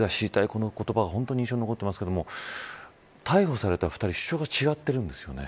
この言葉は印象に残っていますが逮捕された２人主張が違っているんですよね。